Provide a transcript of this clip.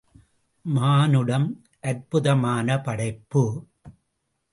மானுடம் அற்புதமான படைப்பு.